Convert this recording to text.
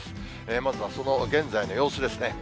まずはその現在の様子ですね。